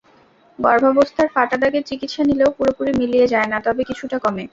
গর্ভাবস্থার ফাটা দাগের চিকিৎসা নিলেও পুরোপুরি মিলিয়ে যায় না, তবে কিছুটা কমে।